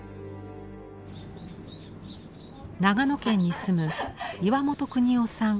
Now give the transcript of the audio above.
長野県に住む岩本くにをさん